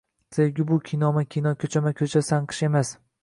Sevgi bu kinoma-kino, ko‘chama-ko‘cha sanqish emas